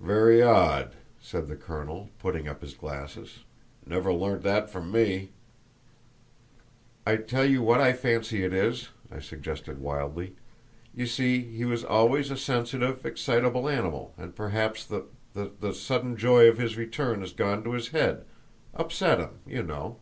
"Very odd," said the colonel, putting up his glasses; "never learned that from me." "I tell you what I fancy it is," I suggested wildly. "You see, he was always a sensitive, excitable animal, and perhaps the—the sudden joy of his return has gone to his head—upset him, you know."